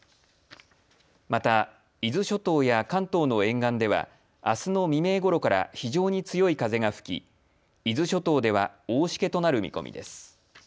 また伊豆諸島や関東の沿岸ではあすの未明ごろから非常に強い風が吹き伊豆諸島では大しけとなる見込みです。